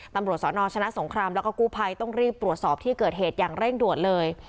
ตำรวจสนชนะสงครามแล้วก็กู้ภัยต้องรีบตรวจสอบที่เกิดเหตุอย่างเร่งด่วนเลย